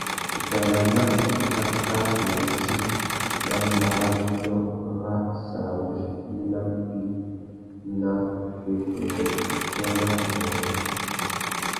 Tu tà yāna utsáka mati nà mbarrawénô râ sarawussi iwí nà mpí ná wukêkêrê, wutsôna na wurrôndô.